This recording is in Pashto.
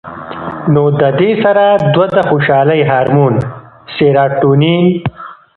نو د دې سره دوه د خوشالۍ هارمون سېراټونین